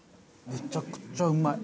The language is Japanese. めちゃくちゃうまい。